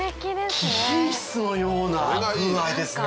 貴賓室のような風合いですね。